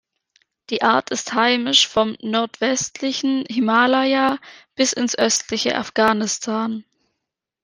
Die Art ist heimisch vom nordwestlichen Himalaya bis ins östliche Afghanistan.